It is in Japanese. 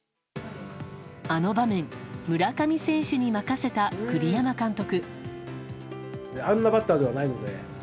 あの場面、村上選手に任せた栗山監督。